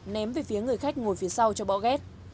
ném về phía người khách ngồi phía sau cho bỏ ghét